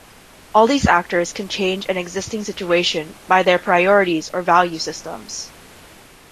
All these actors can change an existing situation by their priorities or value systems.